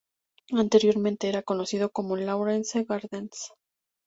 Anteriormente era conocido como Lawrence Gardens.